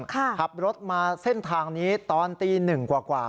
ขับรถมาเส้นทางนี้ตอนตีหนึ่งกว่า